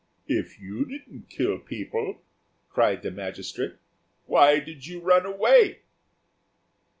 "If you didn't kill people," cried the magistrate, "why did you run away?"